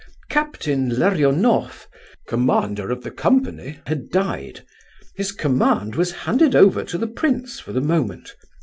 Captain Larionoff, commander of the company, had died; his command was handed over to the prince for the moment.